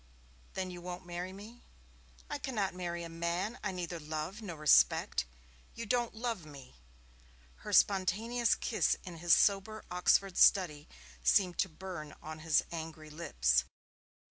'Then you won't marry me?' 'I cannot marry a man I neither love nor respect.' 'You don't love me!' Her spontaneous kiss in his sober Oxford study seemed to burn on his angry lips.